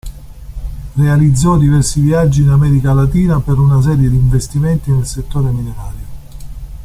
Realizzò diversi viaggi in America Latina per una serie di investimenti nel settore minerario.